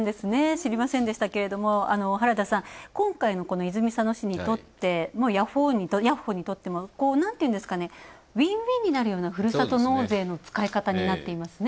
知りませんでしたけれども、原田さん、今回の泉佐野市にとってもヤッホーにとっても、なんていうんですかね、ウィンウィンになるようなふるさと納税の使い方になっていますね。